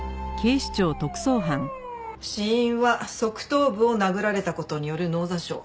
死因は側頭部を殴られた事による脳挫傷。